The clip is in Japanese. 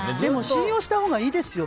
信用したほうがいいですよ。